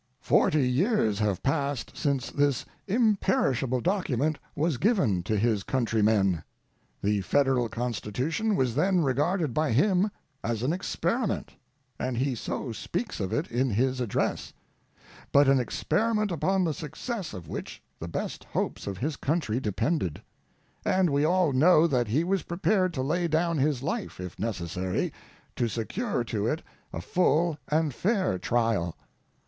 Forty years have passed since this imperishable document was given to his countrymen. The Federal Constitution was then regarded by him as an experiment and he so speaks of it in his Address but an experiment upon the success of which the best hopes of his country depended; and we all know that he was prepared to lay down his life, if necessary, to secure to it a full and a fair trial.